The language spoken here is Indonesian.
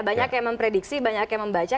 banyak yang memprediksi banyak yang membaca